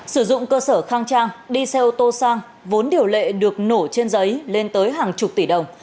sử dụng cơ sở khang trang đi xe ô tô sang vốn điều lệ được nổ trên giấy lên tới hàng chục tỷ đồng